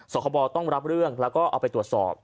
คบต้องรับเรื่องแล้วก็เอาไปตรวจสอบ